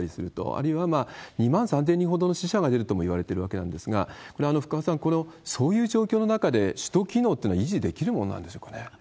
あるいは、２万３０００人ほどの死者が出るともいわれてるわけなんですが、これ、福和さん、そういう状況の中で、首都機能ってのは維持できるものなんでしょうかね？